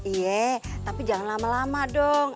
iya tapi jangan lama lama dong